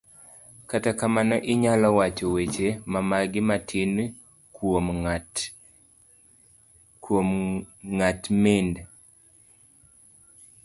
kata kamano, inyalo wacho weche mamagi matin kuom ng'at mind